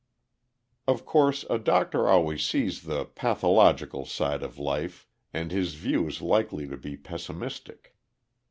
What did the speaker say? Of course a doctor always sees the pathological side of life and his view is likely to be pessimistic.